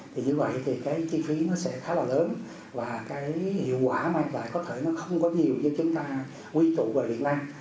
thì như vậy thì cái chi phí nó sẽ khá là lớn và cái hiệu quả mang lại có thể nó không có nhiều như chúng ta quy tụ về việt nam